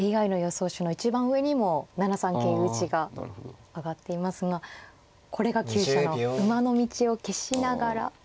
手の一番上にも７三桂打が挙がっていますがこれが急所の馬の道を消しながら。